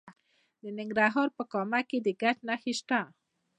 د ننګرهار په کامه کې د ګچ نښې شته.